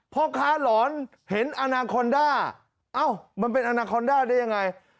พ่อค้าหลอนเห็นอนาคอนด้าเอ้ามันเป็นอนาคอนด้าได้ยังไง